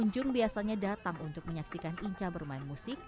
pengunjung biasanya datang untuk menyaksikan inca bermain musik